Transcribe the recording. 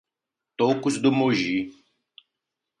Tocos do Moji